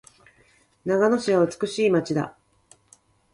長野市は美しい街だ。